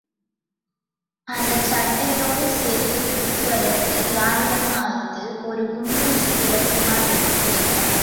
அதைச்சட்டையோடு சேர்த்துக் குத்துவதற்கு யாரிடமாவது ஒரு குண்டுசி இரக்குமா? என்று கேட்டான்.